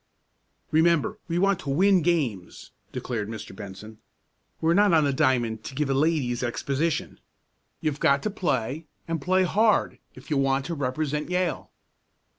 "Remember we want to win games," declared Mr. Benson. "We're not on the diamond to give a ladies' exhibition. You've got to play, and play hard if you want to represent Yale."